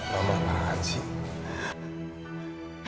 mama apaan sih